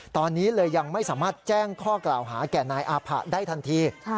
ตอนนี้เลยยังไม่สามารถแจ้งข้อกล่าวหาแก่นายอาผะได้ทันที